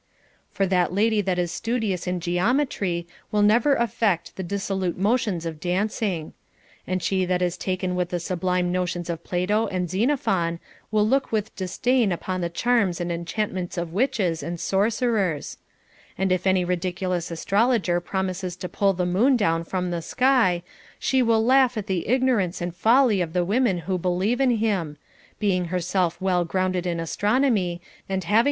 For that lady that is studious in geometry will never affect the dissolute motions of dancing. And she that is taken with the sublime notions of Plato and Xenophon will look with disdain upon the charms and enchantments of witches and sorcerers ; and if any ridiculous astrologer promises to pull the moon down from the sky, she will laugh at the ignorance and folly of the women who believe in him, being herself well grounded in astronomy, and having * See II. VI. 429 506 CONJUGAL PRECEPTS.